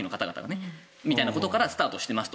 そのようなことからスタートしていますと。